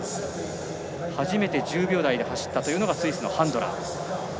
初めて１０秒台で走ったスイスのハンドラー。